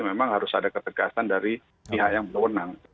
memang harus ada ketegasan dari pihak yang berwenang